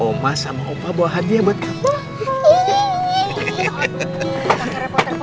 oma sama opa bawa hadiah buat kamu